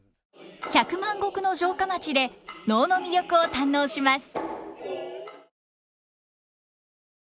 百万石の城下町で能の魅力を堪能します。